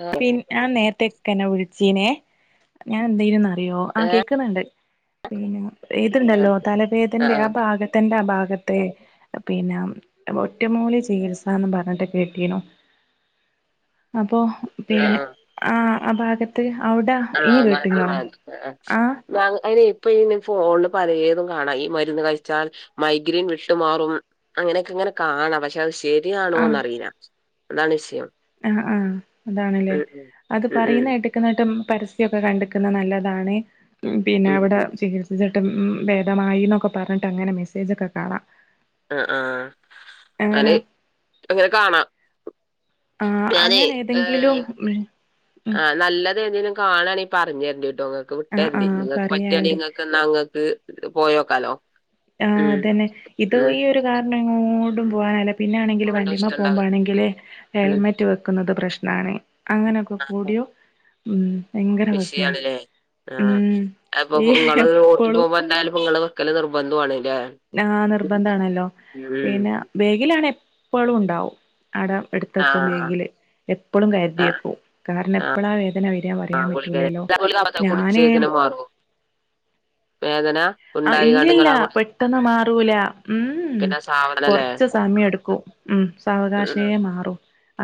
ആഹ് പിൻ ആ നേര്ത്തെക്കന്നെ വിളിച്ചീനെ ഞാൻ ന്തെലും നാ യോ ആ കേക്ക്ന്ന്ണ്ട് പിന്നെ ഏത്ണ്ടല്ലോ തലവേദന്റെ ആ ഭാഗ തന്റെ ആ ഭാഗത്തെ പിന്ന ഒറ്റമൂലി ചികിത്സന്ന് പർഞ്ഞിട്ട് കേട്ടീനു അപ്പോ പിനെ ആ ആ ഭാഗ ത്ത് അവ്ട ഇനി കേട്ടുന്നോ ആഹ് മ അയ്നെ ഇപ്പ ഇ ഫോണില് പലേതും കാണാ ഈ മരുന്ന് കഴിച്ചാൽ മൈഗ്രീൻ വിട്ടുമാറും അങ്ങനെയൊക്കെ ങ്ങനെ കാണാം പഷേ ശരിയാണോന്നറീല്ല അതാണ് ഷയം ആഹ് ആഹ് അതാണ്ല്ലേ അത് ഉം ഉം പറയിന്നെട്ട് ക്കണ്തും പര്സ്യക്കെ കണ്ടക്ക്ന്ന് നല്ലതാണ് പിന്ന ഉം വടെ ഉം ഉം ചികി ട്ട് ഭേദമായിന്നൊക്കെ പറഞ്ഞിട്ട് അങ്ങനെ മെസ്സേജോക്കെ കാണാം. ആഹ് ആഹ് അങ്ങനെ ആള് അങ്ങനെ കാണാ ആഹ് അങ്ങനെ ഏതെങ്കിലും ഉം ആഹ് നല്ലതേതെങ്കിലും കാണാണെ പറഞ്ഞര്ണ്ട്ട്ടോ ങ്ങക്ക് ആഹ് വിട്ടര്ണ്ട് ആഹ് നിങ്ങക്ക് പറയാണ്ടി പറ്റാണെങി ങ്ങക് ന്നാ ങ്ങക്ക് പോയോക്കാലോ ആഹ് ഉം അതന്നെ ഇത് ഉം ഈ ഒരു കാരണംങ്ങോടും പോകാനാലാ പിന്നണെങ്കില് ഇങ്ങട്ടും വണ്ടിമ്മ ഇഷ്ടണ്ടാവും പോകുമമ്പാണെങ്കില് ഹെൽമെറ്റ് വെക്കുന്നത് പ്രശ്നാണ് അങ്ങനൊ ഉം കൂടിയോ ഉം ഭയങ്കര പ്രസ്ന വിഷയാണ്ല്ലേ ആഹ് അഹ് പ്പൊപ്പൊ ഇങ്ങള് ഓട്ടി എപ്പളും പോകുമ്പോ ന്തായാലും ങ്ങള് വെക്കല് നിർബന്ധുവാണ് ല്ലേ ലാ നിർബന്ധാണല്ലോ പിന്ന വേഗിലാണെ എപ്പളും ണ്ടാവും അടെ ട്ത്തക്കും ആഹ് ബേഗില് എപ്പളും ആഹ് കര്തിയേക്കും കാരണം എപ്പളാ വേദന വരാ പറയാൻ പറ്റൂലല്ലോ തൊലി കളഞ്ഞാ ഞാന് കുടിച്ചേക്ക്ണ് വേദന ആഹ് ഉണ്ടായികാണ്ട് ഇല്യല്ല ഇങ്ങളാ പെട്ടെന്ന് മാറൂല ഉം ഗുളികന്റെ സാവണല്ലേ കൊറച്ച് സമയടുക്കും. ഉം ഉം സാവകാശേ മാറു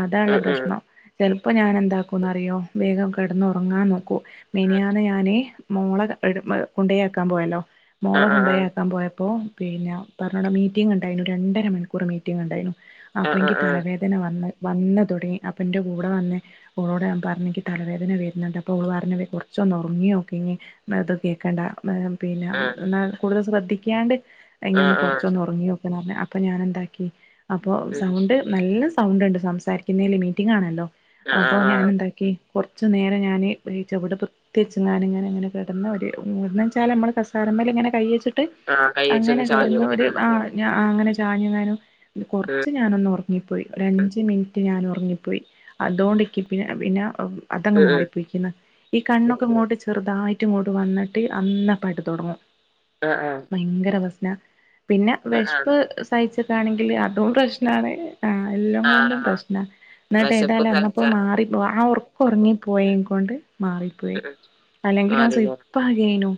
അതാള്ളെ ഉം ഉം പ്രശ്നം ചെൽപ്പോ ഞാനെന്താക്കുംന്ന്റിയോ വേഗം കെടന്ന് ഒർങ്ങാൻ നോക്കൂ ഉം ഉം മെനിയാന്ന് ഞാന് മോള എട് കുണ്ടയാക്കാൻ പോയല്ലോ മോള ആഹ് കുണ്ടയാക്കാൻ പോയപ്പോ പിന്നെ പറഞ്ഞോടെ മീറ്റിംഗ് ണ്ടായി ഞ്ഞു രണ്ടര മണിക്കൂർ മീറ്റിംഗ് ണ്ടായിന്നു ആഹ് അപ്പോ ആഹ് ഇന്ക്ക് തലവേദന വന്ന് വന്ന തുടങ്ങി അപ്പ്ന്റെ കൂടെ വന്നെ ഓളോട് ഞാ പറ്ഞ്ഞെ ഇങ്ക് തലവേദന വര്ന്ണ്ട് അപ്പൊ ഓള് പറഞ്ഞത് കുറച്ചൊന്ന് ഒറങ്ങി നോക്കി ഞ്ഞ് ന്നാ തൊന്ന് കേക്കണ്ട മ് പിന്നെ ആഹ് ന്നാ കൂടുതൽ ശ്രദ്ധിക്കാണ്ട് ആഹ് ആഹ് ഇനിയൊന്ന് ആഹ് ആഹ് കൊറ്ച്ചൊന്ന് ഒറങ്ങി നോക്ക് ന്ന്റ്ഞ്ഞ് അപ്പ ഞന് എന്താക്കി അപ്പോ ഉം സൗണ്ട് നല്ല സൗണ്ട് ണ്ട് സംസാരിക്കുന്നേല് മീറ്റിംഗ് ആണല്ലോ ആഹ് അപ്പൊ ആഹ് ഞന് ആഹ് എന്താക്കി കൊറ്ച്ച് നേരം ഞാന് ഈ ചവിട് പൊത്തിച്ച്ങ്ങാന് ങ്ങനെ ങ്ങനെ കെട്ന്ന് ഒര് ന്ന് വെച്ചാൽ നമ്മള് ഫ തല മ്മല്ഇങ്ങനെ കൈയ്യ്ച്ചിട്ട് ആഹ് അങ്ങനെ കൈയ്യച്ചൊന്ന് ചാഞ്ഞു കെട്ന്ന ഒര് ഉം ആ ഞാഅങ്ങനെ ചാഞ്ഞങ്ങാനും ഉം കുറ്ച്ച് ഞാനൊന്ന് ഉറങ്ങിപ്പോയി ഒര് അഞ്ച് മിന് റ്റ് ഞാൻ ഉറങ്ങിപ്പോയി അതൊണ്ടിക്ക് പിന്നെ പിന്നെ അതങ്ങ് ഉം ഉം മാറിപ്പോയി ക്ക്ന്ന് ഈ കണ്ണൊക്കെ ഇങ്ങോട്ട് ചെറുതായിട്ട് ഇങ്ങോട്ട് വന്നിട്ട് അന്ന പട്ട് തുടങ്ങും ആഹ് ആഹ് ഭയങ്കര പ്രശ്നാ പിന്നെ ആഹ് വെഷ്പ്പ് സഹിച്ച് ക്കാണെങ്കിൽ അതും പ്രശ്നാണ് ആഹ് എല്ല ആഹ് കൊണ്ടും ആഹ് പ്രശ്ന ന്നട്ട് വെശപ്പ് ഏതായാലും തളച്ച അന്നപ്പോ മാറിപ്പോ ആ ഒർ ക്ക് ഒറ്ങ്ങിപ്പോയെ കൊണ്ട് മാറിപ്പോയി അല്ലെങ്കിൽ ഞാ മാറില്ലേ സുയ്പ്പ് ആയെനു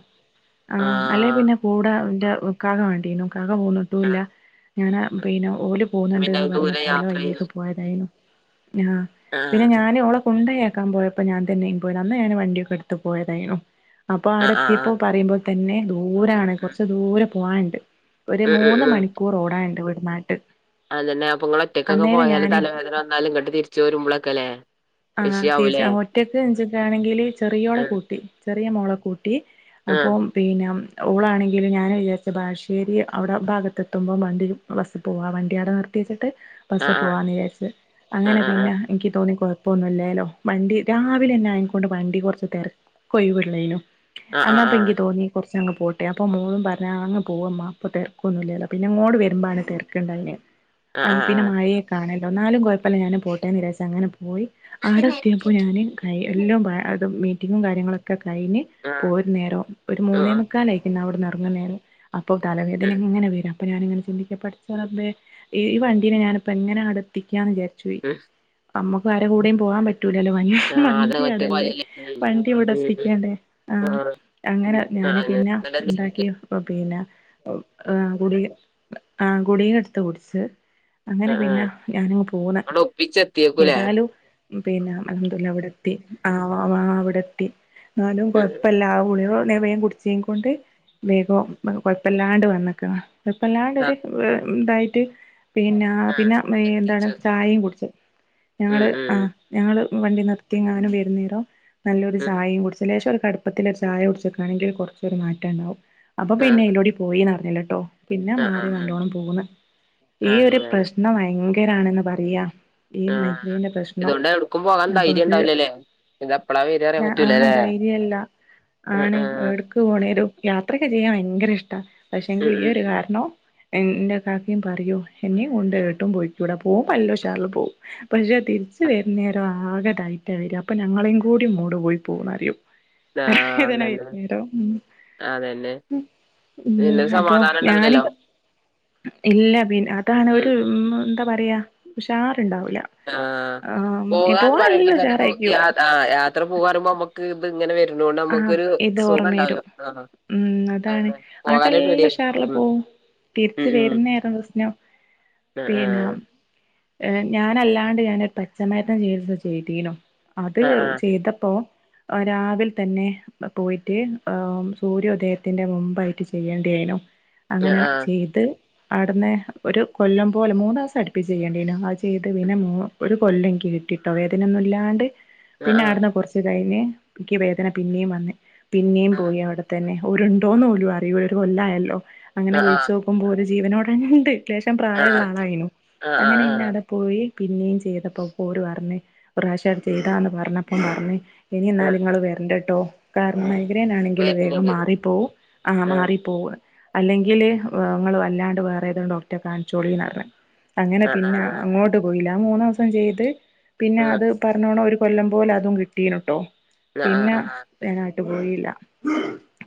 ആഹ് അല്ലെ പിന്നെ കൂടെ ന്റെ ഇക്കാക്ക വേണ്ടീനു ഇക്കാക്ക പോന്ന് ട്ടുംല്ല ആഹ് ഞാന് പിന്നെ ഓല് പിന്നെ പോകുന്നുണ്ട്ന്ന് അത് പറ്ഞ്ഞ ദൂരെ പ്പം ഓലെ യാത്ര ചെയ്യ വയ്യേക്ക പോ പോയ തേനു ആഹ് പിന്നെ ആഹ് ഞാന് ഓളെ കൊണ്ടയാക്കാ പോയപ്പോ ഞാ തന്നെയും പോയത് അന്ന് ഞന് വണ്ടിയൊക്കെ എടുത്ത് പോയതേ യെന്നു അപ്പൊ അവിടെ ആഹ് ആഹ് എത്തിയപ്പോ ആഹ് പറയുമ്പോ തന്നെ ദൂരാണ് കുറച്ച് ദൂരെ പോവാന്ണ്ട് ഒര് ഉം മൂന്ന് ഉം ഉം മണിക്കൂർ ഓടാണ്ട് വട്ന്നാട്ട് അതന്നെ അപ്പൊ ഇങ്ങള് ഒറ്റ കൊക്കെ പോയാല് തലവേദന വന്നാല് ഇങ്ങട്ട് തിരിച്ച് വരുമ്പളൊക്ക ല്ലേ ആഹ് തിര്ച്ച് ഒറ്റക്ക് ന്ച്ചക്കാണങ്കില് ചെറിയോള ആഹ് കൂട്ടി ചെറിയ മോള കൂ ട്ടി ആഹ് അപ്പം പിന്നെ ഓളാണെങ്കില് ഞാന് വിചാരിച്ച ബാലശ്ശേരി അവിടെ ഭാഗത്ത് എത്തുമ്പോ വണ്ടി ബസ്സ് പോവാ വണ്ടിയാടെ നിർത്തി വെച്ചിട്ട് ബസ്സ് ആഹ് പോവാന്ന് വിചാരിച്ച് അങ്ങനെ ആഹ് ആഹ് പിന്നെ ഇന്ക്ക് തോന്നി കൊ പ്പൊന്നും ല്ലേല്ലോ വണ്ടി രാവിലെ ന്നെ ആയൊ കൊണ്ട് വണ്ടി കൊറ്ച്ച് തെരക്കൊയ് വിള്ളേനു ആഹ് ആഹ് അന്നാപ്പങ്കി ആഹ് തോന്നി കുറച്ചങ്ങ് പോട്ടെ അപ്പൊ മോളും പറഞ്ഞാ അങ്ങ് പോവ മ്മാ അപ്പൊ തിരക്കൊന്നു ഇല്ല്യല്ലോ പിന്നെ മോള് വരുമ്പാണ് തെര്ക്ക്ണ്ടായി നെ അന്ന് ആഹ് ആഹ് പിന്നെ ആഹ് മഴയെ കാണല്ലോ നാലും കൊഴപ്പല്ല ഞാന് പോട്ടേന്ന് രാച്ച് അങ്ങനെ പോയി ആടെ ആഹ് എത്തിയപ്പോ ഞാന് കൈ എല്ലോ കാ മീറ്റിങ്ങും കാര്യങ്ങളൊക്കെ കഴിഞ്ഞ് ആഹ് ആഹ് പോരും നേരം ഒരു മൂന്നേ ആഹ് മുക്കാലയിക്കും ഞാ അവിടെന്ന് റങ്ങുംനേരം അപ്പൊ ഉം തലവേദന ങ്ങനെ വരാ അപ്പൊ ഞാനിങ്ങനെ ചിന്തിക്ക പടച്ച റബ്ബേ ഈ വണ്ടീനെ ഞാനിപ്പെങ്ങനെ അടെ എത്തിക്കാന്ന് വിചാരിച്ച് പോയി ഉം അമ്മക്ക് ആരെ കൂടെയും പോവാൻ പറ്റൂലല്ലോ ആഹ് അതെ വണ്ടി ഒറ്റക്ക് അവടല്ലേ പോയാലല്ലേ ഉം വണ്ടി ഇവിടെ ഉം എത്തിക്കണ്ടേ ആ ആഹ് അങ്ങനെ ആഹ് ഞാന് അതന്നെ പിന്നെ ഉണ്ടാക്കി ഇന്നട്ടെന്തെയ്ത് അപ്പൊ പിന്നെ ഏഹ് കുടീ ആ കുടീന്ന് എടുത്ത് കുടിച്ച് അങ്ങനെ ആഹ് ആഹ് പിന്നെ ഞാനങ്ങ് പോന്ന് ഇങ്ങട്ട് ഒപ്പിച്ചെത്തിയേക്കുലേ ഏതായാലും ഉം പിന്നെ അൽ ഹംദുലില്ലാഹ് ഇവിടെത്തി ആ വാ- വാ അവിടെത്തി എന്നാലും ഉം ഉം കൊഴപ്പല്ല ആഹ് ഗുളിക ന്ന വേം കുട് ചീനേം കൊണ്ട് വേഗം കൊഴപ്പല്ലാണ്ട് വന്നക്കണ് കൊഴപ്പല്ലാണ്ടൊരു ആഹ് ഇതായിട്ട് പിന്നെ ആഹ് പിന്നെ എന്താണ് എത്തിച്ചു ചായയും കുടിച്ച് ഉം ഞങ്ങള് ഉം ആഹ് ഞങ്ങള് വണ്ടി നിർത്തിങ്ങാനും വരുന്നേരം നല്ലൊരു ഉം ചായയും കുടിച്ചു ലേശം ഒരു കടുപ്പത്തില് ഒരു ചായ കുടിച്ചക്കാണെങ്കില് കുറച്ചൊരു മാറ്റണ്ടാവും അപ്പൊ പിന്നെയ് ആഹ് [unintelligible] പോയിന്നറിഞ്ഞല്ലട്ടോ പിന്നെ ആഹ് ആഹ് മാറി ആഹ് നല്ലോണ്ണം പോകുന്ന് ഈ ഒരു അങ്ങനെ പ്രശ് നം ഭയങ്കരണ്ന്ന് പറയാ ഈ ആഹ് മൈഗ്രേന്റെ പ്രശ് നം ഇതുകൊണ്ട് എവിടക്കും പോകാൻ അപ്പൊ ധൈര്യം അത് ഉണ്ടാവില്ലല്ലേ ഇത് എപ്പളാ വരാ അറിയാൻ ആ പറ്റൂലല്ലേ ധൈര്യല്ല ആഹ് ആണ് ആഹ് എടുക്ക് പോണേലും യാത്രയൊക്കെ ചെയ്യാൻ ഭയങ്കര ഇഷ്ട ഉം പക്ഷെങ്കില് ഈ ഉം ഒരു കാരണോ എന്റെ ഇക്കാക്കയും പറയും എന്നീ കൊണ്ട് ഏട്ടും പൊയ്ക്കൂട പോകുമ്പം നല്ല ഉഷാറില് പോവും പക്ഷെ തി രിച്ചു വരുന്നേരം ആകെതായിട്ടാ വര അപ്പൊ ഞങ്ങളെയും കൂടി മൂഡ് പോയി പോവൂന്ന് അറിയും ആഹ് അതന്നെ അതന്നെ [unintelligible] പിന്നെ ഉം അപ്പൊ സമാധാനം ഞാന് ഉണ്ടാവില്ലല്ലോ ഇല്ല പിൻ അതാണ് ഒരു ഉം എന്താ പറയാ ഉഷാറ്ണ്ടാവൂല ആഹ് പോകാന്ന് പറയുമ്പം തന്നെ നമു യാ ഉഷാറായിരിക്കും ആ യാത്ര പോകാറുമ്പോ നമ്മ ക്ക്‌ ഇത്ങ്ങനെ വരുന്നോണ്ട് ആഹ് നമ്മക്കൊരു ഇത് സുഖം ഓർമ്മ വരും ഉണ്ടാവും ആഹ് ഉം അതാണ് അതന്നെ പോകാനൊരു ആട്ടെല്ലാം പേടിയാ ഉഷാറില് പോവും ഉം തിരിച്ച് ഉം ഉം വരുന്നേരം പ്രശ്നം പിന്നെ ആഹ് ഏഹ് ഞാനല്ലാണ്ട് ഞാനൊരു പച്ചമരുന്ന് ചികിത്സ ചെയ്തീനു അത് ആഹ് ചെയ്തപ്പോ രാവിൽ തന്നെ പോയിട്ട് ആ സൂര്യോദയത്തിന്റെ മുമ്പായിട്ട് ചെയ്യണ്ടേനു അങ്ങനെ ആഹ് ചെയ്ത് അവിടുന്ന് ഒരു കൊല്ലം പോലെ മൂന്ന് ദിവസം അടുപ്പി ചെയ്യണ്ടീനു അത് ചെയ്ത് പിന്നെ മൂ ഒരു കൊല്ലം എനിക്ക് കിട്ടിട്ടോ വേദനൊന്നും ഇല്ലാണ്ട് പിന്നെ ആഹ് അവിടുന്ന് കൊറച്ചു കഴിഞ്ഞ് എനിക്ക് ഈ വേദന പിന്നെയും വന്ന് പിന്നെയും ആഹ് പോയി അവിടെ തന്നെ ഓരുണ്ടോന്ന് പോലും അറിയൂല ഒരു കൊല്ലായല്ലോ അങ്ങനെ ആഹ് ആഹ് ആഹ് ആഹ് ആഹ് വിളിച്ച് നോക്കുമ്പോൾ ഓര് ജീവനോടെ ഒണ്ട് അത്യാവശ്യം പ്രായള്ള ആളായിനു ആഹ് ആഹ് അങ്ങനെ ആഹ് ആഹ് ആഹ് ഇന്നെവടെ പോയി പിന്നെയും ചെയ്തപ്പോ പോര് പറഞ് ഒരു പ്രാവശ്യം ചെയ്തതാന്ന് പറഞ്ഞപ്പം പറഞ് ഇനി എന്നാല് ആഹ് നിങ്ങള് വരണ്ടട്ടോ കാരണം മൈഗ്രെൻ ആണെങ്കിൽ വേഗം വരുന്നുണ്ട് മാറിപ്പോവും ആ ആഹ് മാറിപ്പോവും അല്ലെങ്കില് ഇങ്ങള് അല്ലാണ്ട് വേറെ ഏതേലും ഡോക്ടറെ കാണിച്ചോളിന്ന് പറഞ്ഞ് അങ്ങനെ പിന്നെ അങ്ങോട്ട് പോയില്ല ആ മൂന്നൂസം ചെയ്ത് പിന്നെ അത് പറഞ്ഞോണം ഒരു കൊല്ലം പോലെ അതും കിട്ടീനുട്ടോ പിന്നെ വേനായിട്ട് പോയില്ല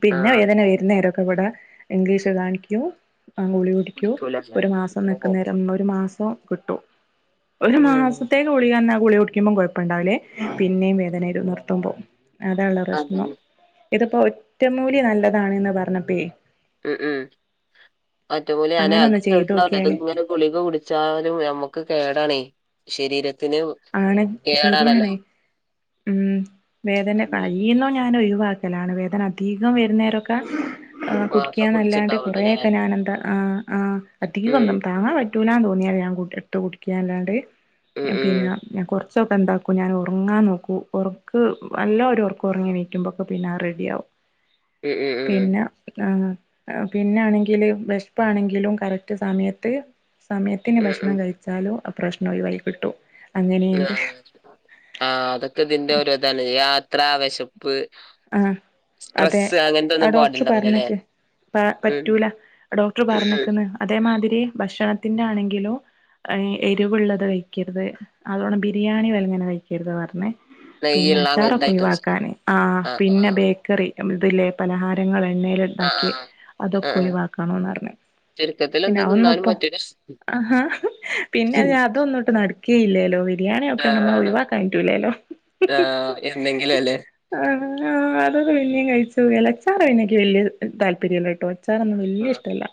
പിന്നെ വേദന വരുന്ന നേരം ഇവിടെ ഇംഗ്ലീഷ് കാണിക്കും ഗുളിക കുടിക്കും ഒരു മാസം അപ്പൊ നിക്കുന്നേരം ഒരു മാസം കിട്ടൂ ഒരു ഉം മാസത്തെ ഗുളികെന്നാൽ ഗുളി കുടിക്കുമ്പോം കൊഴപ്പം ഉണ്ടാവില്ലേ പിന്നെയും വേദനേരും നിർത്തുമ്പോ അത ഉള്ളെ പ്രശ്നം അങ്ങനെ ഇതിപ്പോ ഒറ്റമൂലി നല്ലതാണ്ന്ന് പറഞ്ഞപ്പേ ഉം ഉം ഒറ്റമൂലി അങ്ങനെ ഒന്ന് [unintelligible] ചെയ്തോക്കിയാല് അത്ങ്ങനെ ഗുളിക കുടിച്ചാലും നമ്മുക്ക് കേടാണേ ശരീരത്തിന് ആണ് കേടാണല്ലോ ശരിയാണ് ഉം വേദന ഉം. കഴിയുണോ ഞാൻ ഒഴിവാ ക്കലാണ് വേദന അധികം വരുന്നേരൊക്കെ ആഹ് മാത്രം കുടിക്കാന്നല്ലാണ്ട് കുടിച്ചിണ്ടാവുള്ളൂ അല്ലേ കൊറെേയൊക്കെ ഞാൻ എന്താ ആഹ് ആഹ് അധികൊന്നും ഉം താങ്ങാൻ പറ്റ റ്റൂലാന്ന് തോന്നിയാൽ ഞാൻ കു എടുത്ത് കുടിക്ക അല്ലാണ്ട് ഉം ഉം പിന്നെ ഞാ കൊറച്ചൊക്കെന്താക്കും ഞാൻ ഒറങ്ങാൻ നോക്കും ഒറക്ക് നല്ല ഒരു ഒറക്കം ഒറങ്ങെണീക്കുമ്പോക്കെ പിന്നെ അറെഡിയാകും [unintelligible] പിന്നെ ക്ആഹ് ആഹ് പിന്നാണെങ്കില് വെശപ്പാണെങ്കിലും കറക്റ്റ് സമയത്ത് സമയത്തിന് ഉം ഉം ഉം ഭക്ഷണം ഉം കഴിക്ക ച്ചാലും ആഹ് പ്രശ്നോയിവായ് കിട്ടും ങാ അങ്ങനെയുണ്ട് ആഹ് അതൊക്കെ ഇതിന്റൊരുതല്ലെ യാത്രാ വെശപ്പ് ആഹ് അതെ ആഹ് ഡോക്ടർ പാടുണ്ടാവില്ല അല്ലേ പറഞ്ഞക്ക് പ ഉം പറ്റൂല ഡോക്ടർ പറഞ്ഞക്ക്ന്ന് അതേമാതിരി ഭക്ഷണത്തിന്റെ ആണെങ്കിലോ ഏ എരിവ്ള്ളത് കയ്ക്കരുത് അതോണം ബിരിയാണി വലങ്ങനെ കയ്ക്കരുത് പറഞ്ഞെ നെയ്യുള്ള അങ്ങനത്തെ ഐറ്റംസ് പിന്നച്ചാറൊക്കൊയിവാക്കാന് ആഹ് ആ ആ പിന്നെ ബേക്കറി നമ്മള്തില്ലേ പലഹാരങ്ങൾ ആ ആ എണ്ണയില്ണ്ടാക്കിയെ ആ അതൊക്കെ ആ ഒയിവാക്കണന്നറഞ്ഞ് ചുരുക്കത്തിൽ എന്താ തിന്നാനും പിന്നതൊന്നുപ്പോ പറ്റൂല ആഹ് ഹ പിന്നെ ഞാ അതൊന്നുട്ട് നട‌ക്കെയ്ല്ലെലോ വര് ബിരിയാണിയൊക്കെ നമ്മ ആഹ് ഒഴിവാക്കാനിട്ടൂലെല്ലോ ആഹ് എന്നെങ്കിലും അല്ലേ ആഹ് ആഹ് ആഹ് അതൊക്കെ പിന്നേം കയിച്ചുപോം എലച്ചാറ് പിന്നെക്ക് വല്ല്യാ അഹ് താല്പര്യല്ലാട്ടോ ച്ചാറൊന്നും വല്ല്യഷ്ടല്ല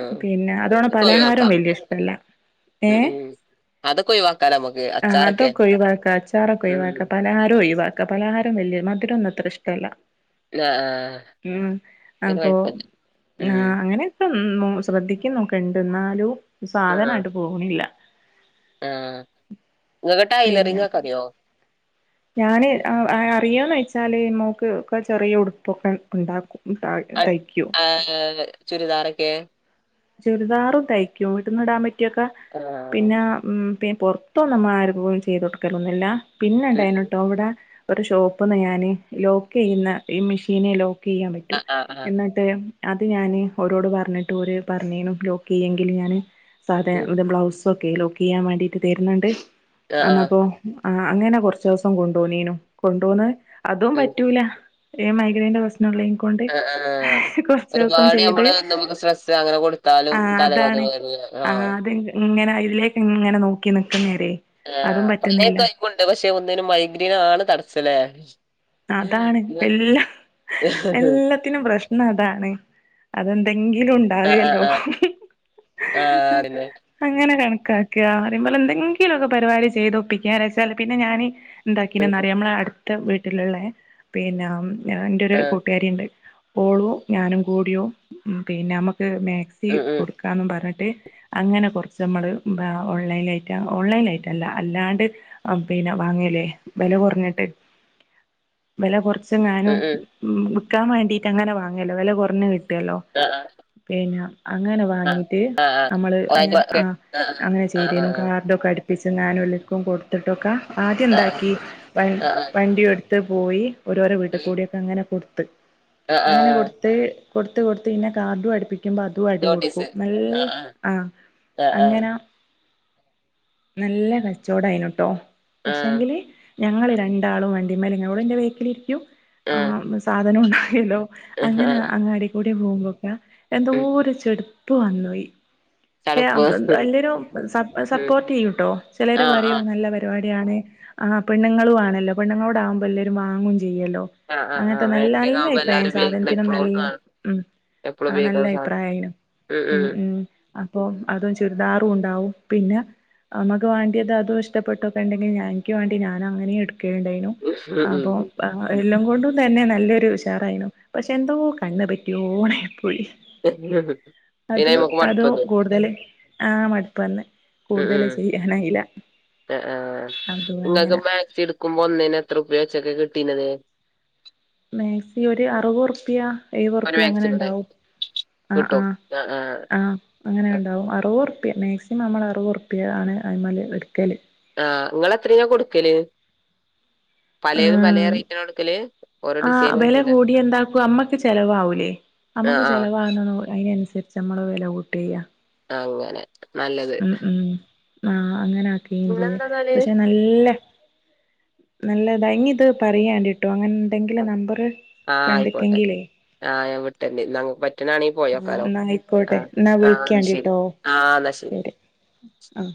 ആഹ് പിന്നെ അതോണ അതൊക്കെ പലഹാരേം ഒഴിവാക്കാം വല്ല്യഷ്ടല്ലാ ഉം ഉം അതൊക്കെ ഒഴിവാക്കാലോ നമുക്ക് ആഹ് അച്ചാറൊക്കെ അതൊക്കെ ഒയിവാക്ക അച്ചാറൊക്കെ ആഹ് ഒയിവാക്ക പലഹാരോം ഒയിവാക് തപലഹാരം വല്യ മധുരൊന്നത്രെഷ്ടല്ല ആഹ് ഉം പിന്നെ അപ്പൊ കൊഴപ്പല്ല ങാ ഉം അങ്ങനെ എന്നും ശ്രദ്ധിക്കുന്നൊക്കുണ്ട് ന്നാലും ആഹ് സാധനാട്ട് പോകണ്ല്ല ആഹ് ങ്ങക്ക് പിന്നെ ടയലറിങ്ങൊ‌ക്കെറിയോ ഞാന് ആഹ് അഅറിയോന്ന് വെച്ചാല് മോക്ക് ഒക്കെ ചെറിയ ഉടുപ്പൊക്കെ ഒണ്ടാക്കും അഹ് ആഹ് ചുരിദാറൊക്കെ ചുരിദാറു തയ്ക്കും വീട്ടിന്നിടാൻ പറ്റിയൊക്കെ ആഹ് പിന്നെ ഉം പി പൊർ പ്പൊന്നും നമ്മ ആര്ക്ക്കും ചെയ്ത് കൊടുക്കലൊന്നില്ല ഉം ഉം പിന്നെണ്ടായിനുട്ടോവിടെ ഒര് ഷോപ്പ്ന്ന് ഞാന് ലോക്ക് ചെയ്യ്ന്ന ഈ മിഷീനെ ലോക്ക് ചെയ്യാപറ്റും ആഹ് ആഹ് ആഹ് തേയം അത് ഞാന് ഓരോട് പറഞ്ഞ്ട്ട് ഓര് പറഞ്ഞ്നു ലോ‌ക്കെയ്യെങ്കിൽ ഞാന് സാധേ ഉം ന്തെ ബ്ലൗസൊക്കെ ലോക്കെയ്യാൻ വേണ്ടിട്ട് തരുന്ന്ണ്ട് ആഹ് ആഹ് അന്നപ്പോ ആഹ് അങ്ങനെ കൊറച്ച്സം കൊണ്ടോന്നീനു കൊണ്ടന്ന് അതും ഉം പറ്റൂല എ മൈഗ്രന്റെ പ്രശ്നൊള്ളേന്കൊ ആഹ് ആഹ് ഒരുപാട് ഞമ്മള് ചെയ്ത് നമുക്ക് ശ്രെസ്സ് സ്‌ങ്ങനെ കൊടത്താലും ആഹ് തലകഥക അതാണ് വ ആഹ് ഇങ്ങനെ അയ്ലേക്ക്ങ്ങനെ നോക്കിനിക്ക്ന്നേരെ ആഹ് പഷെ കൈക്കുണ്ട് പഷെ ഒന്നിനും മൈഗ്രീൻ ആണ് തടസ്സല്ലേ അതാണ് എല്ലാം എല്ലാ ത്തിനും പ്രശ്നതാണ് അതെന്തെങ്കിലുൺ ആഹ് ആഹ് ആഹ് ആട്ന്ന് പ്പങ്ങനെ കണകാക്ക്വാ അതെമ്പോലെ ന്തെങ്കില്ക്കെ പരിപാടി ചെയ്തൊപ്പിക്കാന്നെച്ച പിന്നെ ഞാന് ആഹ് ഉം ന്താക്കിനെന്നറിയോ മ്മ്ളെ അടുത്ത വ്ട്ടില്ള്ളെ പിന്നെ ആം ആഹ് ന്റൊരു ആ, കൂട്ടുകാരിണ്ട് ഓളും ഞാനുംകൂടിയും പിന്നെ നമുക്ക് മാക്സി ഉം ഉം കൊടുക്കാംന്ന് പറഞ്ഞ്ട്ട് അങ്ങനെ കൊറച്ച്മ്മള് ഉംന്താ ഓൺലൈനായിട്ട ഓൺലൈനായിട്ടല്ല അല്ലാണ്ട് അപ്പ്ന്നെ വാങ്ങല്ലെ വെല കൊറഞ്ഞ്ട്ട് വെല കൊറച്ചെങ്ങാനം ഉം മ്മ് വിക്കാവേണ്ടീട്ടങ്ങനെ വാങ്ങല്ലോ വെല കൊറഞ്ഞ് കിട്ട്‌വല്ലോ ആഹ് ആഹ് പിന്നെ അങ്ങനെ വാങ്ങീട്ട് നമ്മള് ഞാ ആഹ് അങ്ങനെ ആഹ് ചെയ്തീനു ആഹ് കാർ തൊക്കെ അടുപ്പിച്ചെങ്ങാനും എല്ലോര്ക്കും കൊട്ത്തിട്ടൊ‌ക്കെ ആഹ് ആഹ് ആദ്യംന്താക്കി വൺ ആഹ് ആഹ് വണ്ടിട് ത്പോയി ഓരോരോ വീട്ട്കൂടിയൊക്കെങ്ങനെ കൊടുത്ത് ആഹ് അങ്ങനെ ആഹ് കൊടുത് ത്കൊട്ത്ത് കൊട്ത്ത് പിന്നെ കാർഡും അടിപ്പിക്കുമ്പോ അത് ഇത്വായ്ട്ട് കൊടുക്കും നോട്ടീസ് നല് ആഹ് ആഹ് അങ്ങന നല്ല കച്ചോടായിനുട്ടോ ആഹ് പക്ഷെങ്കില് ഞങ്ങളു രണ്ടാളും വണ്ട ണ്ടി ൻമേല് മര്യോളിന്റെ ബേക്കിലിരിക്കും ആഹ് സാധനം ഉണ്ടായല്ലോ ആഹ് അങ്ങനെ ആഹ് അങ്ങാടി കൂടെ പോകുമ്പോക്കെ എന്തോ ഉം ഒരു ചെടുപ്പ് വന്നോയി ചടപ്പ് പക്ഷേഎല്ലരും ഉം സപ്പോർട്ട് ചെയ്യൂട്ടോ ചിലര് ആഹ് പറയും ആഹ് നല്ല പരിപാടിയാണ് ആ പെണ്ണങ്ങളും ആണല്ലോ പെണ്ണുങ്ങളോട ആവ്പോ എല്ലാവരും വാങ്ങുചെയ്യല്ലോ ആഹ് ആഹ് അങ്ങനത്തെ ആഹ് നല്ല ബാറ്ററിയൊക്കെ നല്ല ആവുമ്പോ അഭിപ്രായം എല്ലാരും ഉപയോഗിക്കണം സാധനത്തിനും എപ്പളും നല്ല ആഹ് ഉം എപ്പളും ഉപയോഗിക്കാൻ അങ്ങനെ സാധനം അഭിപ്രായമായിനു ഉം ഉം അപ്പൊ അതും ചുരിദാറും ഉണ്ടാവും പിന്നെ നമമക്ക് വേണ്ടിത് അതോ ഇഷ്ടപെട്ടൊക്കെ ഉണ്ടെങ്കിൽ ഞാൻക്ക് വേണ്ടി ഞാന അങ്ങനെ എടുക്കലുണ്ടായിന്നു ഉം അപോഅഹ് എല്ലാം കൊണ്ടും തന്നെ നല്ലൊരു ഉഷാറായിരുന്നു പക്ഷെ എന്തോ കണ്ണ് പറ്റിയോണപ്പൊഴി ഉം ഉം പിന്നെ അത് അയ്മക്ക് അതോ മടുപ്പന്നു കൂടുതല് ആ മടുപ്പ്ന്ന് ഉം ഉം അതും ഇങ്ങക്ക് അങ്ങനെ മാക്സി ട് ക്കുമ്പോ ഒന്നേന് എത്രുപ്യ ച്ചൊക്കെ കിട്ടീന്നത് േമാക്സി ഒര അറുപത് റുപ്പ്യ എ ഒരു ഴുവതുറുപ്പി യഅങ്ങനെ മാക്സിമം ഉണ്ടാവും ആ ആ കിട്ടും ആഹ് ആഹ് ആ അങ്ങനെ ഉണ്ടാവും ആഹ് അറൂ വർ മേക്സിമ അമ്മൾ അർവത് ർപ്പ്യ ആണ് അയ്മല് ഇട്ക്കല് ആഹ് നിങ്ങളെ എത്ര യിനാകൊടുക്കല് ആം ഓരോ ആഹ് ഡിസൈന് അനുസരിച്ചാ വെലകൂടിയാ എന്താക്കും അമ്മക്ക്ചെലവാവൂലേ അമ്മക്ക് ആഹ് ചെലവാകണോ അയ്നനുസരിച് അമ്മള് വെലകൂട്ടാചെയ്യാ അങ്ങനെ നല്ലത് ഉം, ഉം ആഹ് അങ്ങനെആക്കേം ചെയ്യ പിന്നെന്താന്നാല് പക്ഷെന്നല്ലേ ന്നല്ലേത ഇനിഇത് പറയാണ്ടിട്ടോ അങ്ങനെഎന്തെങ്കിലും ആഹ് നമ്പറ് ആയിക്കോട്ടെ കണ്ടിക്കെങ്കിലെയ് ആഹ് ഞാൻവിട്ടെര്ന്റ് ന്നാ ഇങ്ങക്ക് പറ്റ്ണാണെങ്കി ആ പോയോക്കാലോ എന്നാ ആയിക്കോട്ടെ ആഹ് എന്നാ ആഹ് ന്നശെരി. ആഹ് ന്നശെരി. അഹ്